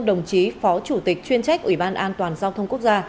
đồng chí phó chủ tịch chuyên trách ủy ban an toàn giao thông quốc gia